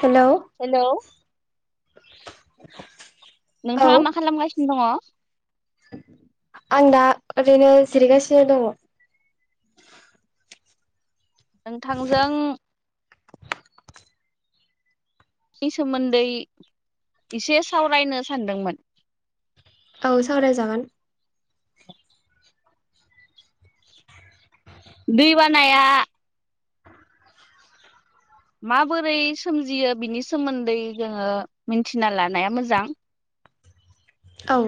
Hello hello नोंथाङा मा खालामगासिनो दङ। आं दा ओरैनो जिरायगासिनो दङ। नोंथांजों [inaudible] नि सोमोन्दै इसे सावरायनो सानदोंमोन। औ सावरायजागोन। दै बानाया माबोरै सोमजियो बिनि सोमोन्दै जोङो मिनथिना लानाया मोजां। औ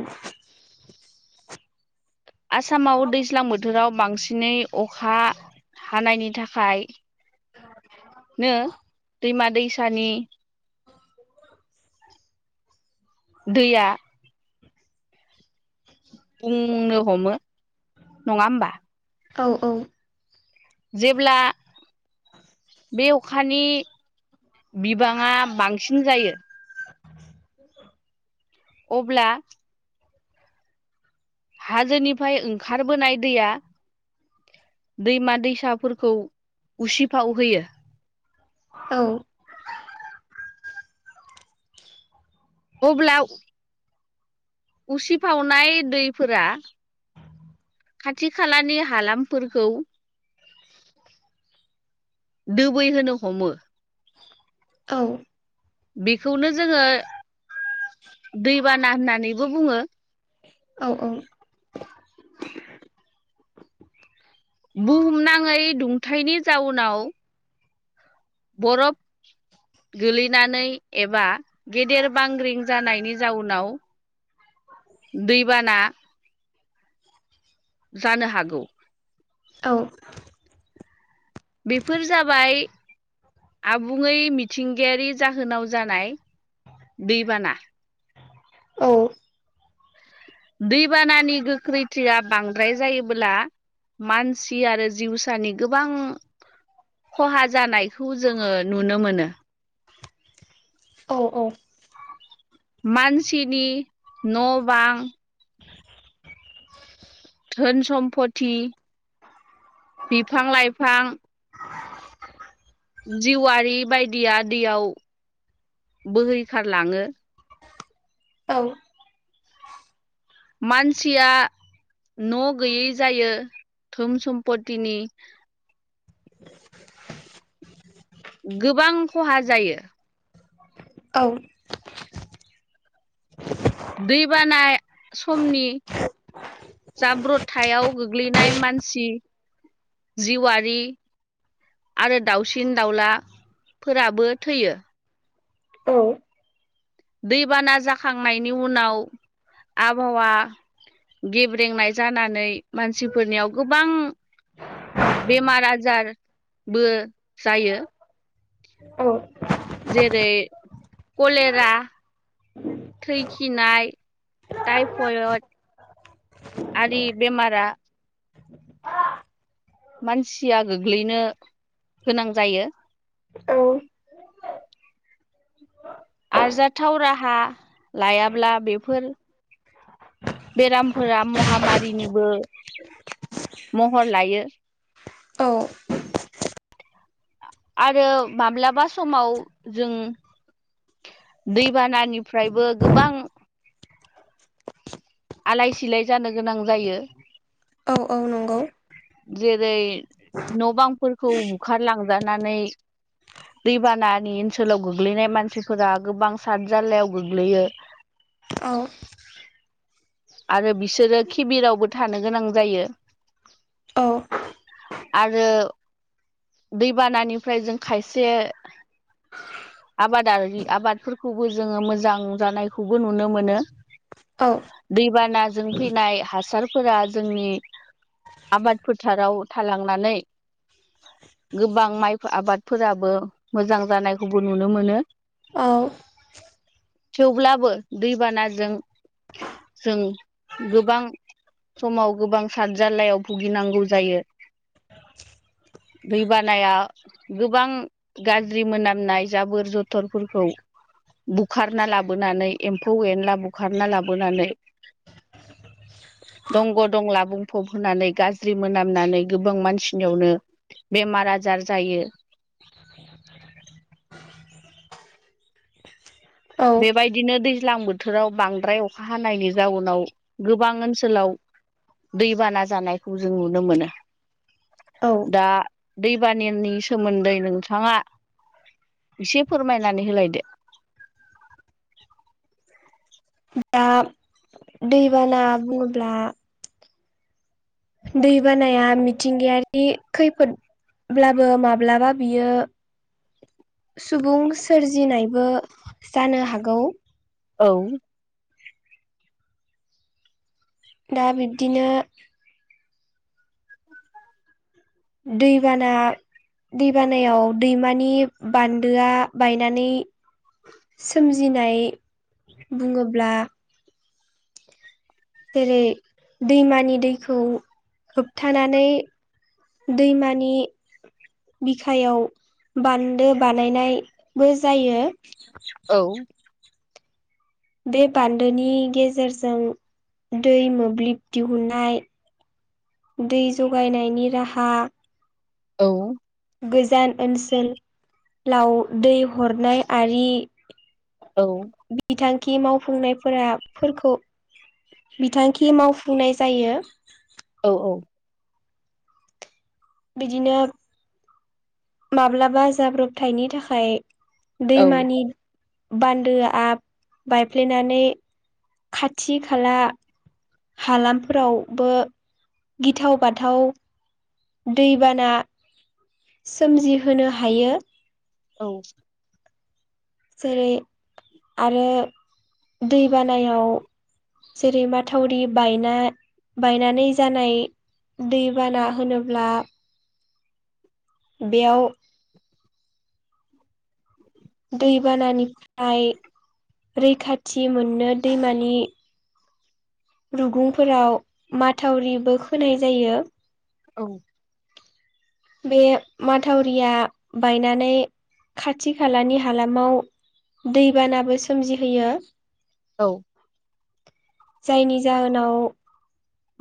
आसामाव दैज्लां बोथोराव बांसिनै अखा हानायनि थाखाय नो दैमा दैसानि दैया बुंनो हमो नङा होमबा? औ औ। जेब्ला बे अखानि बिबाङा बांसिन जायो [unintelligible] अब्ला हाजोनिफ्राय ओंखारबोनाय दैया दैमा दैसाफोरखौ उसिफाव होयो। औ अब्लाव उसिफावनाय दैफोरा खाथि खालानि हालामफोरखौ दोबैहोनो हमो। औ बेखौनो जोङो दैबाना होननानैबो बुङो। औ औ बुहुमनाङै दुंथायनि जाउनाव बरफ गोलैनानै एबा गेदेर बांग्रिं जानायनि जाउनाव दैबाना जानो हागौ। औ बेफोर जाबाय आबुङै मिथिंगायारि जाहोनाव जानाय दैबाना। औ दैबानानि गोख्रैथिया बांद्राय जायोब्ला मानसि आरो जिउसानि गोबां खहा जानायखौ जोङो नुनो मोनो। अ अ मानसिनि न' बां धोन सम्पथि बिफां -लाइफां जिउआरि बायदिया दैयाव बोहैखारलाङो। औ मानसिया न' गैयै जायो धोन सम्पतिनि गोबां खहा जायो। औ दैबाना समनि जाब्रथायाव गोग्लैनाय मानसि जिवारि आरो दाउसिन दाउला फोराबो थैयो। औ दैबाना जाखांनायनि उनाव आबहावा गेब्रेंनाय जानानै मानसिफोरनियाव गोबां बेमार आजार बो जायो जेरै कलेरा थै खिनाय टाइफयड आरि बेमारा मानसिया गोग्लैनो गोनां जायो। औ आरजाथाव राहा लायाब्ला बेफोर बेरामफोरा महामारिनिबो महर लायो औ [inaudible] आरो माब्लाबा समाव जों दैबानानिफ्रायबो गोबां आलाय सिलाय जानो गोनां जायो। औ औ नं जेरै न' बांफोरखौ बुखारलांजानानै दैबानानि ओनसोलाव गोग्लैनाय मानसिफोरा गोबां सात जाल्लायाव गोग्लैयो। औ आरो बिसोरो खिबिरावबो थानो गोनां जायो औ आरो दैबानानिफ्राय जों खायसे आबादारि आबादफोरखौबो जोङो मोजां जानायखौबो नुनो मोनो। औ दैबानाजों फैनाय हासारफोरा जोंनि आबाद फोथाराव थालांनानै गोबां माइ आबादफोराबो मोजां जानायखौबो नुनो मोनो औ थेवब्लाबो दैबानाजों जों गोबां समाव गोबां सात जाल्लायाव भुगिनांगौ जायो। दै बानाया गोबां गाज्रि मोनामनाय जाबोर जथरफोरखौ बुखारना लाबोनानै एम्फौ एनला बुखारना लाबोनानै दंग' दंला बुं फब होनानै गाज्रि मोनामनानै गोबां मानसिनियावनो बेमार आजार जायो [inaudible] बेबायदिनो दैज्लां बोथोराव बांद्राय अखा हानायनि जाउनाव गोबां ओनसोलाव दैबाना जानायखौ जों नुनो मोनो। औ दा दैबानानि सोमोन्दै नोंथाङा एसे फोरमायनानै होलायदो दा दैबाना बुङोब्ला दैबानाया मिथिंगायारि खैफोद होनब्लाबो माब्लाबा बियो सुबुं सोरजिनायबो जानो हागौ औ दा बिब्दिनो दैबाना दै बानायाव दैमानि बान्दोआ बायनानै सोमजिनाय बुङोब्ला जेरै दैमानि दैखौ होबथानानै दैमानि बिखायाव बान्दो बानायनाय बो जायो औ बे बान्दोनि गेजेरजों दै मोब्लिब दिहुननाय दै जगायनायनि राहा औ गोजान ओनसोलाव दै हरनाय आरि औ बिथांखि मावफुंनायफोरा फोरखौ बिथांखि मावफुंनाय जायो औ औ बिदिनो माब्लाबा जाब्रबथायनि थाखाय औ दैमानि बान्दोआ बायफ्लेनानै खाथि खाला हालामफोरावबो गिथाव बाथाव दैबाना सोमजिहोनो हायो औ जेरै आरो दै बानायाव जेरै माथावरि बायना बायनानै जानाय दैबाना होनोब्ला बेयाव दैबानानिफ्राय रैखाथि मोननो दैमानि रुगुंफोराव माथाव औ बे माथावरिया बायनानै खाथि खालानि हालामाव दैबानाबो सोमजिहोयो औ जायनि जाहोनाव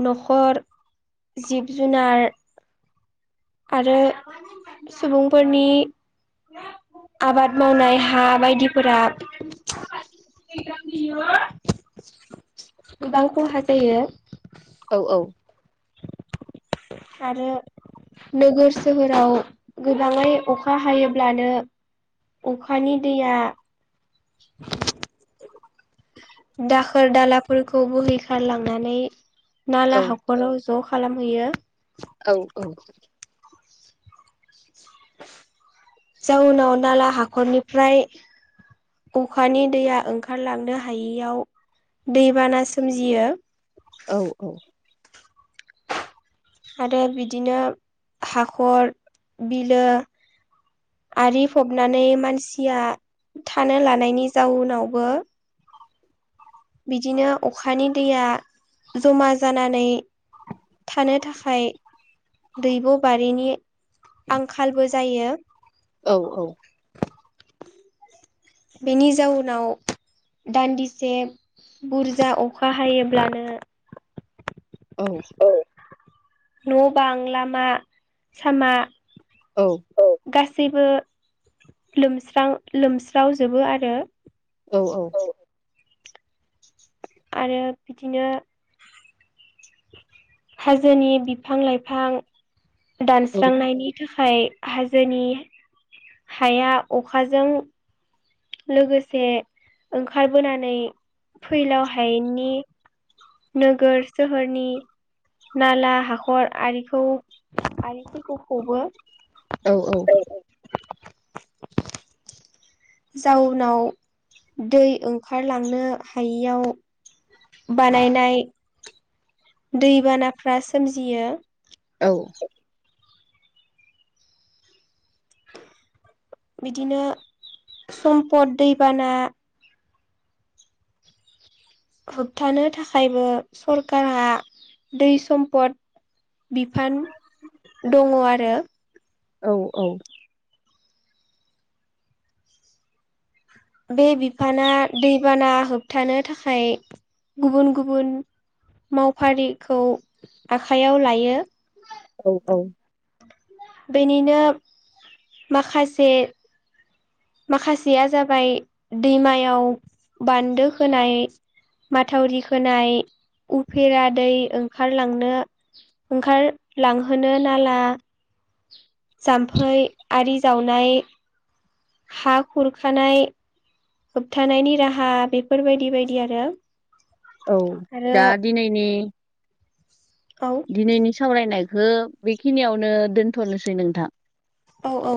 न'खर जिब जुनार आरो सुबुंफोरनि आबाद मावनाय हा बायदिफोरा गोबां खहा जायो औ औ आरो नोगोर सोहोराव गोबाङै अखा हायोब्लानो अखानि दैया [inaudible] दाखोर दालाफोरखौ बोहैखारलांनानै नाला ह गल' ज' खालामहैयो औ औ जाउनाव नाला हाखरनिफ्राय अखानि दैया ओंखारलांनो हायियाव दैबाना सोमजियो औ औ आरो बिदिनो हाखर बिलो आरि फबनानै मानसिया थानो लानायनि जाउनावबो बिदिनो अखानि दैया जमा जानानै थानो थाखाय दैब' बारिनि आंखालबो जायो औ औ बेनि जाउनाव दान्दिसे बुरजा अखा हायोब्लानो औ न' बां लामा सामा औ गासैबो लोमस्रां लोमस्रावजोबो आरो औ औ आरो बिदिनो हाजोनि बिफां लाइफां दानस्रांनायनि थाखाय हाजोनि हाया अखाजों लोगोसे ओंखारबोनानै फैलाव हायेननि नोगोर सोहोरनि नाला हाखर आरिखौ आरिफोरखौ खबो औ औ जाउनाव दै ओंखारलांनो हायियाव बानायनाय दैबानाफ्रा सोमजियो औ बिदिनो सम्पद दैबाना होबथानो थाखायबो सरकारा दै सम्पद बिफान दङ आरो औ औ बे बिफाना दैबाना होबथानो थाखाय गुबुन गुबुन मावफारिखौ आखाइयाव लायो औ औ बेनिनो माखासे माखासेया जाबाय दैमायाव बान्दो होनाय माथावरि खोनाय उफेरा दै ओंखारलांनो ओंखारलांहोनो नाला जाम्फै आरि जावनाय हा खुरखानाय होबथानायनि राहा बेफोरबायदि बायदि आरो औ आरो दा दिनैनि औ दिनैनि सावरायनायखौ बेखिनियावनो दोनथ'नोसै नोंथां औ औ